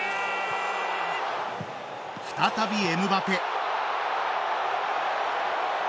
再び、エムバペ。